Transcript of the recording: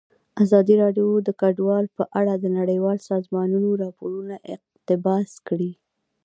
ازادي راډیو د کډوال په اړه د نړیوالو سازمانونو راپورونه اقتباس کړي.